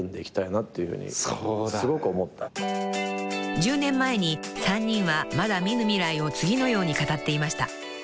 ［１０年前に３人はまだ見ぬ未来を次のように語っていました］